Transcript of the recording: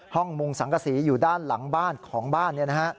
มุงสังกษีอยู่ด้านหลังบ้านของบ้าน